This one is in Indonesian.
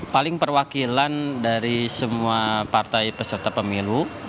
paling perwakilan dari semua partai peserta pemilu